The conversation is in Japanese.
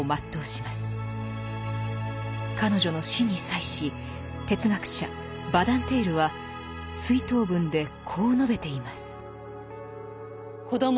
彼女の死に際し哲学者バダンテールは追悼文でこう述べています。